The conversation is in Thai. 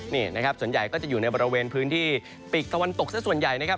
นี่นะครับส่วนใหญ่ก็จะอยู่ในบริเวณพื้นที่ปีกตะวันตกซะส่วนใหญ่นะครับ